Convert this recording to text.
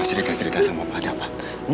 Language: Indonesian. kenapa kenapa seret seretan sama papa ada apa